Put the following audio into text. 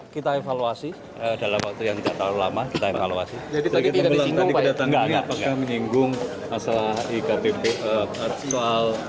kita evaluasi dalam waktu yang tidak terlalu lama